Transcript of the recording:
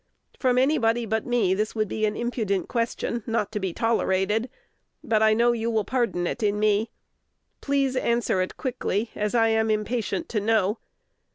From anybody but me this would be an impudent question, not to be tolerated; but I know you will pardon it in me. Please answer it quickly, as I am impatient to know.